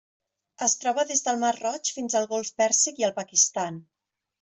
Es troba des del Mar Roig fins al Golf Pèrsic i el Pakistan.